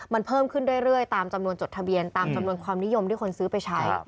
มันเพิ่มขึ้นเรื่อยตามจำนวนจดทะเบียนตามจำนวนความนิยมที่คนซื้อไปใช้